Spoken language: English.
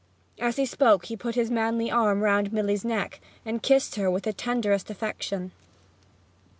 As he spoke he put his manly arm round Milly's neck, and kissed her with the tenderest affection.